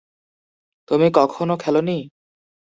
তুমি কখনো খেলনি?